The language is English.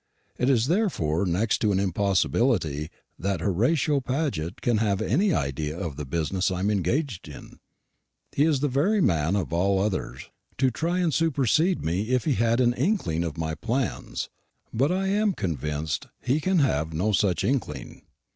It is therefore next to an impossibility that Horatio Paget can have any idea of the business I am engaged in. He is the very man of all others to try and supersede me if he had an inkling of my plans; but I am convinced he can have no such inkling.